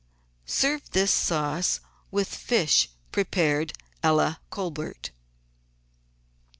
Serve this sauce with fish prepared a la Colbert.